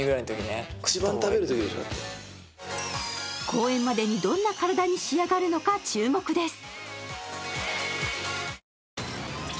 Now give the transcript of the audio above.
公演までにどんな体に仕上がるのか注目です。